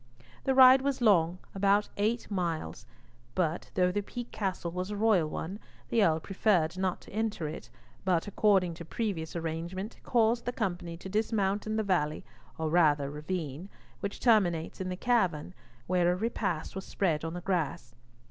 The ride was long, about eight miles; but though the Peak Castle was a royal one, the Earl preferred not to enter it, but, according to previous arrangement, caused the company to dismount in the valley, or rather ravine, which terminates in the cavern, where a repast was spread on the grass.